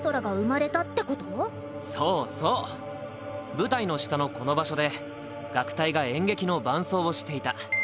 舞台の下のこの場所で楽隊が演劇の伴奏をしていた。